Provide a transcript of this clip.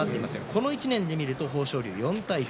この１年で見ると豊昇龍が４対１。